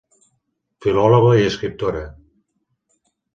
Filòloga i escriptora.